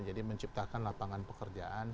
jadi menciptakan lapangan pekerjaan